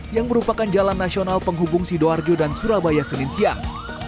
yang merupakan jalan nasional penghubung sidoarjo dan surabaya senin siang